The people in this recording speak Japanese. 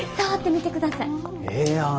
ええやん。